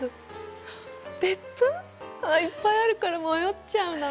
いっぱいあるから迷っちゃうな。